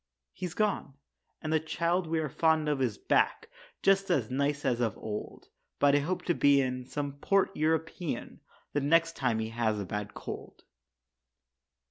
He's gone, and the child we are fond of Is back, just as nice as of old. But I hope to be in some port European The next time he has a bad cold.